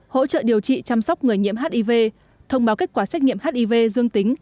hỗ trợ điều trị chăm sóc người nhiễm hiv thông báo kết quả xét nghiệm hiv dương tính